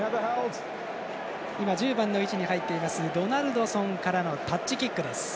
今、１０番の位置に入っていますドナルドソンからのタッチキックです。